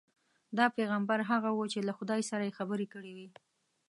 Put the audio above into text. دا پیغمبر هغه وو چې له خدای سره یې خبرې کړې وې.